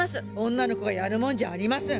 女の子がやるもんじゃありません。